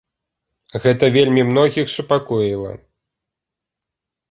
Гэта вельмі многіх супакоіла.